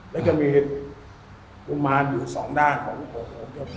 และจะมีภูมิมารอยู่สองด้านของเจ้าพ่อ